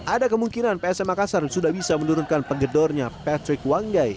ada kemungkinan psm makassar sudah bisa menurunkan penggedornya patrick wanggai